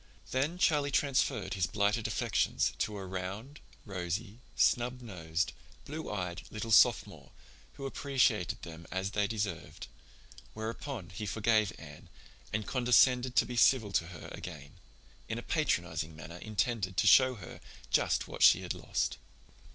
Then Charlie transferred his blighted affections to a round, rosy, snub nosed, blue eyed, little Sophomore who appreciated them as they deserved, whereupon he forgave Anne and condescended to be civil to her again; in a patronizing manner intended to show her just what she had lost.